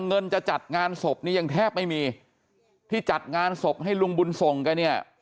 เงินจะจัดงานศพนี้ยังแทบไม่มีที่จัดงานศพให้ลุงบุญส่งแกเนี่ย